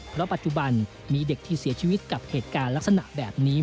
เพราะปัจจุบันมีเด็กที่เสียชีวิตกับเหตุการณ์ลักษณะแบบนี้